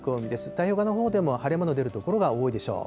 太平洋側のほうでも、晴れ間の出る所が多いでしょう。